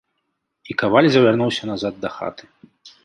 І каваль завярнуўся назад да хаты.